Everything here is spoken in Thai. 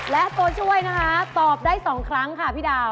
และตัวช่วยนะคะตอบได้๒ครั้งค่ะพี่ดาว